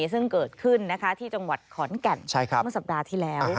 ซึ่งเกิดขึ้นที่จังหวัดขอนแก่นเมื่อสัปดาห์ที่แล้ว